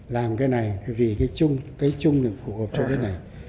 làm cái này vì cái chung cái chung này phù hợp cho cái này